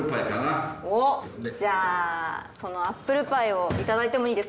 おっじゃあそのアップルパイをいただいてもいいですか？